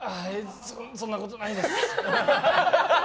そんなことないです。